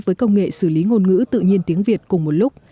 với công nghệ xử lý ngôn ngữ tự nhiên tiếng việt cùng một lúc